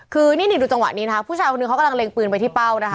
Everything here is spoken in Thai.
คือนิดก็ดูจังหวัดนี้ผู้ชายคนหนึ่งเค้ากำลังเลงปืนไปที่เป้า